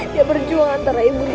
dia berjuang antara ibu